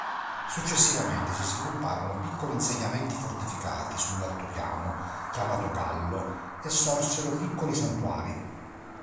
Successivamente si svilupparono piccoli insediamenti fortificati sull’altopiano chiamato Gallo e sorsero piccoli santuari.